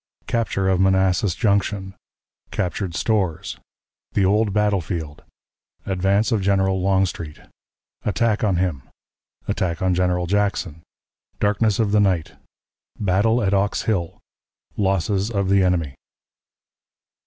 Capture of Manassas Junction. Captured Stores. The Old Battle Field. Advance of General Longstreet. Attack on him. Attack on General Jackson. Darkness of the Night. Battle at Ox Hill. Losses of the Enemy.